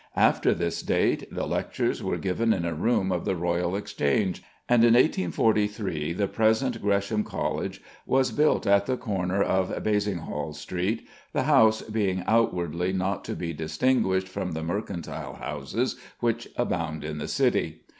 After this date the lectures were given in a room of the Royal Exchange, and in 1843 the present Gresham College was built at the corner of Basinghall Street, the house being outwardly not to be distinguished from the mercantile houses which abound in the city.